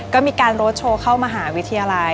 ก็มีการรถโชว์เข้ามหาวิทยาลัย